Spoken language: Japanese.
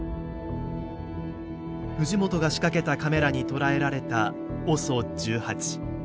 藤本が仕掛けたカメラに捉えられたＯＳＯ１８。